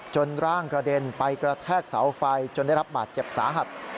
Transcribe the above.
ร่างกระเด็นไปกระแทกเสาไฟจนได้รับบาดเจ็บสาหัส